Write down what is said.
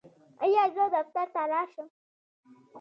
ایا زه دفتر ته لاړ شم؟